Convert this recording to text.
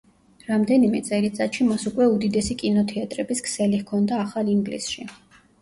რამდენიმე წელიწადში მას უკვე უდიდესი კინოთეატრების ქსელი ჰქონდა ახალ ინგლისში.